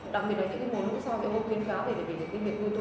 đặc biệt là những vụ sau